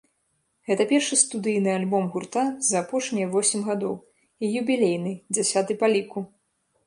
Гэта першы студыйны альбом гурта за апошнія восем гадоў і юбілейны, дзясяты па ліку.